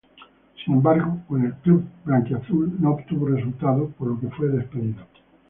Sin embargo con el club blanquiazul no obtuvo resultados por lo que fue despedido.